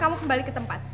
kamu harus kembali ke tempat